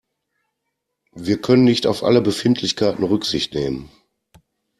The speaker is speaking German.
Wir können nicht auf alle Befindlichkeiten Rücksicht nehmen.